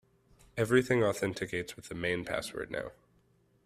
Everything authenticates with the main password now.